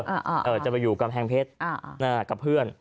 อ่าเอ่อจะไปอยู่กำแพงเพชรอ่ากับเพื่อน